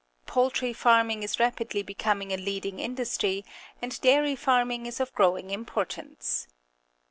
Poultry farming is rapid ly becoming a leading industry, and dairy farming is of growing importance.